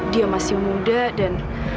dia masih muda dan